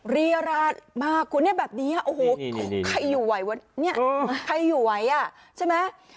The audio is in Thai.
รีราชมากคุณเนี่ยแบบนี้โอ้โหใครอยู่ไหววะเนี่ยใครอยู่ไหวอ่ะใช่ไหม